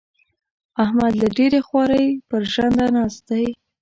احمد له ډېرې خوارۍ؛ پر ژنده ناست دی.